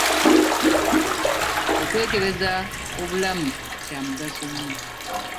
Okwekebeza obulamu Kya mugaso nnyo.